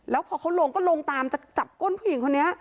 แล้วพอเขาลงก็ลงตามจะจับก้นผู้หญิงคนนี้